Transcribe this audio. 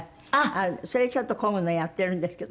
それちょっとこぐのをやっているんですけど。